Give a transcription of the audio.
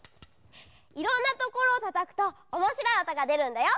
いろんなところをたたくとおもしろいおとがでるんだよ。